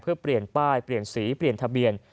เพื่อเปลี่ยนป้ายเปลี่ยนสีเปลี่ยนทะเบียน